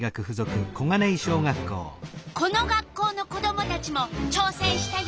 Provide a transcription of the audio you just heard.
この学校の子どもたちもちょうせんしたよ。